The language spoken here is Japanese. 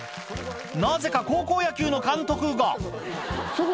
なぜか高校野球の監督がそこ。